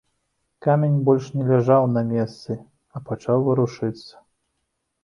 Камень больш не ляжаў на месцы, а пачаў варушыцца.